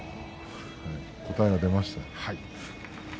答えが出ました。